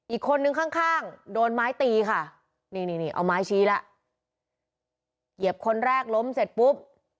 อีกคนนึงข้างข้างโดนไม้ตีค่ะนี่นี่เอาไม้ชี้แล้วเหยียบคนแรกล้มเสร็จปุ๊บ